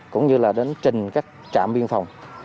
cũng như là đến trình các trạm biên phòng